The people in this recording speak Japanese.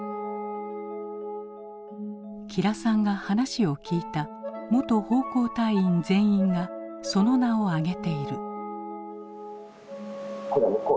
吉良さんが話を聞いた元奉公隊員全員がその名を挙げている。